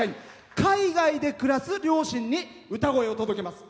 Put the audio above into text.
海外で暮らす両親に歌声を届けます。